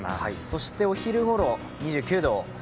そしてお昼ごろ、２９度。